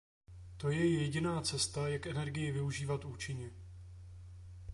To je jediná cesta, jak energii využívat účinně.